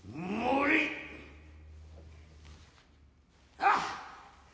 あっ。